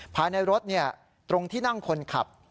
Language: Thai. ภายในรถตรงที่นั่งคนขับ